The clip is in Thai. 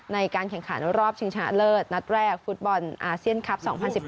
ในการแข่งขันรอบชิงชนะเลิศนัดแรกฟุตบอลอาเซียนคลับ๒๐๑๘